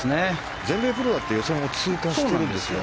全米プロだって予選を通過してるんですよ。